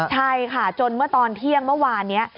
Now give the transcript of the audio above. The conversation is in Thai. ใช่ค่ะจนเมื่อตอนเที่ยงเมื่อวานนี้